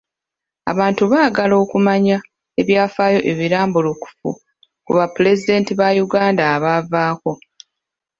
Abantu baagala okumanya ebyafaayo ebirambulukufu ku bapulezidenti ba Uganda abaavaako.